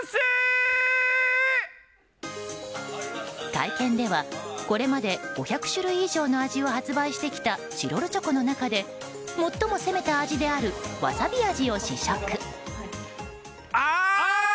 会見ではこれまで５００種類以上の味をチロルチョコの中で最も攻めた味であるわさび味を試食。